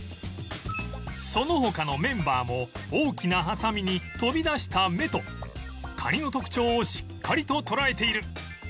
その他のメンバーも大きなハサミに飛び出した目とカニの特徴をしっかりと捉えている